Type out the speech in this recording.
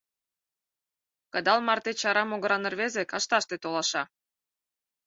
Кыдал марте чара могыран рвезе кашташте толаша.